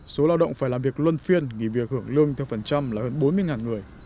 số lao động phải làm việc luân phiên nghỉ việc hưởng lương theo phần trăm là hơn bốn mươi người